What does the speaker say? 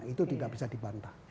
itu tidak bisa dibantah